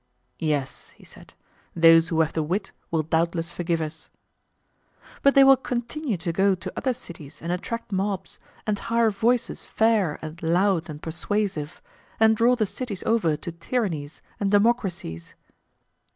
Yes, he said, those who have the wit will doubtless forgive us. But they will continue to go to other cities and attract mobs, and hire voices fair and loud and persuasive, and draw the cities over to tyrannies and democracies.